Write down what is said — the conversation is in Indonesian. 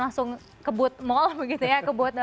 langsung kebut mall begitu ya